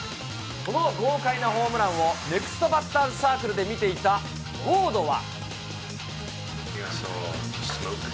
この豪快なホームランを、ネクストバッターズサークルで見ていたウォードは。